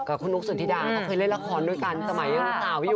กับคุณนุกสุธิดาก็เคยเล่นละครด้วยกันสมัยยังสาวอยู่